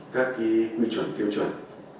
các quy chuẩn tiêu chuẩn